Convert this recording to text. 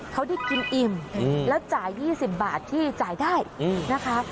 เขาได้กินอิ่มแล้วจ่าย๒๐บาทที่จ่ายได้นะคะ